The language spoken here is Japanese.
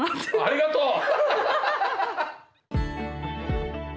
ありがとう！